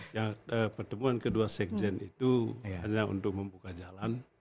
ya pertemuan kedua sekjen itu hanya untuk membuka jalan